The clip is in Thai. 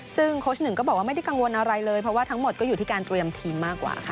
ซึ่งโค้ชหนึ่งก็บอกว่าไม่ได้กังวลอะไรเลยเพราะว่าทั้งหมดก็อยู่ที่การเตรียมทีมมากกว่าค่ะ